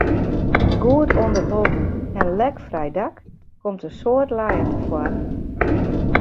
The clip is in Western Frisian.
In goed ûnderholden en lekfrij dak komt in soad lijen tefoaren.